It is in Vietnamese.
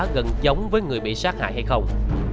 gần giống với người bị sát hại hay không